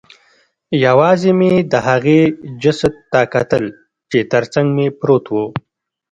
یوازې مې د هغې جسد ته کتل چې ترڅنګ مې پروت و